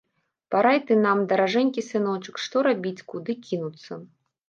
Парай ты нам, даражэнькі сыночак, што рабіць, куды кінуцца.